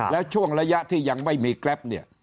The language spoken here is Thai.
และช่วงระยะที่ยังไม่มี